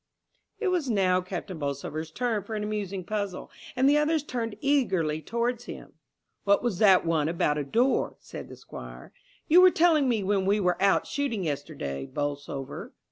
It was now Captain Bolsover's turn for an amusing puzzle, and the others turned eagerly towards him. "What was that one about a door?" said the Squire. "You were telling me when we were out shooting yesterday, Bolsover."